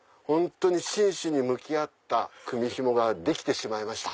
真摯に向き合った組み紐ができてしまいました。